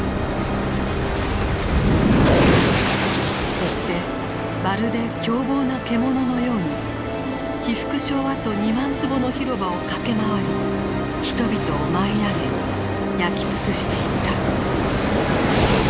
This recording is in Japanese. そしてまるで凶暴な獣のように被服廠跡２万坪の広場を駆け回り人々を舞い上げ焼き尽くしていった。